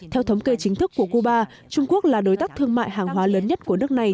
theo thống kê chính thức của cuba trung quốc là đối tác thương mại hàng hóa lớn nhất của nước này